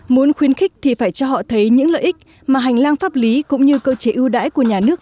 muốn khuyến khích thì phải cho họ thấy những lợi ích mà hành lang pháp lý cũng như cơ chế ưu đãi của nhà nước